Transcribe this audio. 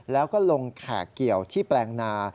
แล้วก็ลงแขกเกี่ยวที่แปลงนา